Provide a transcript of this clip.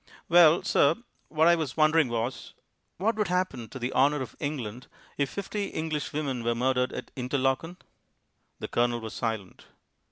"Well, sir, what I was wondering was What would happen to the honour of England if fifty English women were murdered at Interlaken?" The Colonel was silent.